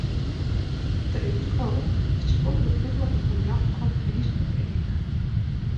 In teleskoop is folle gefoeliger foar ljocht as it minsklik each.